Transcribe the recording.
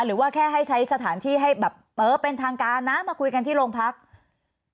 หรือว่าแค่ให้ใช้สถานที่ให้แบบเออเป็นทางการนะมาคุยกันที่โรงพักษณ์